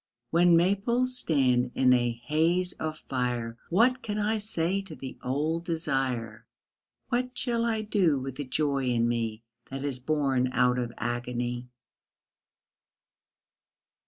When maples stand in a haze of fire What can I say to the old desire, What shall I do with the joy in me That is born out of agony?